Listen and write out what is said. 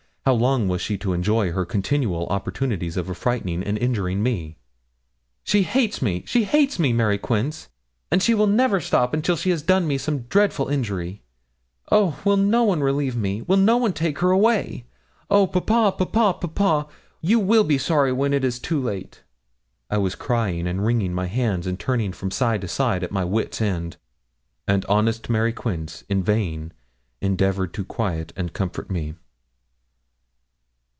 How long was she to enjoy her continual opportunities of affrighting and injuring me? 'She hates me she hates me, Mary Quince; and she will never stop until she has done me some dreadful injury. Oh! will no one relieve me will no one take her away? Oh, papa, papa, papa! you will be sorry when it is too late.' I was crying and wringing my hands, and turning from side to side, at my wits' ends, and honest Mary Quince in vain endevoured to quiet and comfort me.